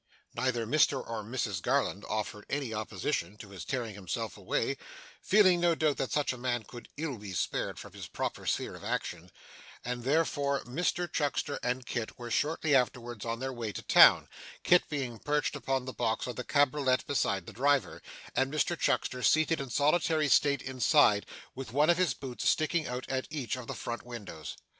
Neither Mr nor Mrs Garland offered any opposition to his tearing himself away (feeling, no doubt, that such a man could ill be spared from his proper sphere of action), and therefore Mr Chuckster and Kit were shortly afterwards upon their way to town; Kit being perched upon the box of the cabriolet beside the driver, and Mr Chuckster seated in solitary state inside, with one of his boots sticking out at each of the front windows.